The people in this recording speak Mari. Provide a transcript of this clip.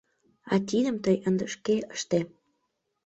— А тидым тый ынде шке ыште.